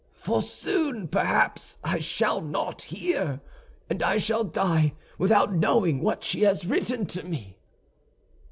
For soon, perhaps, I shall not hear, and I shall die without knowing what she has written to me."